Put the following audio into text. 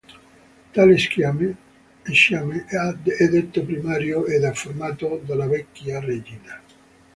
Tale sciame è detto primario ed è formato dalla vecchia regina.